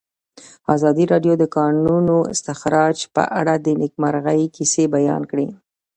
ازادي راډیو د د کانونو استخراج په اړه د نېکمرغۍ کیسې بیان کړې.